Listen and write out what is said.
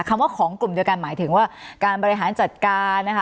คำว่าของกลุ่มเดียวกันหมายถึงว่าการบริหารจัดการนะคะ